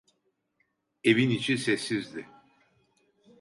Evin içi sessizdi.